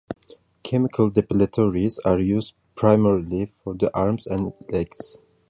Chemical depilatories are used primarily for the arms and legs.